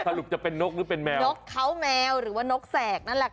สรุปจะเป็นนกหรือเป็นแมวนกเขาแมวหรือว่านกแสกนั่นแหละค่ะ